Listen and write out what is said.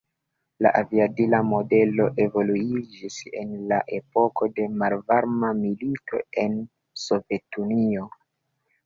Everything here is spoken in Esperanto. La aviadila modelo evoluiĝis en la epoko de Malvarma Milito en Sovetunio.